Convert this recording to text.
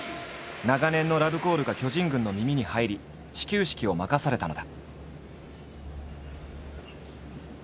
長年のラブコールが巨人軍の耳に入り始球式を任されたのだ。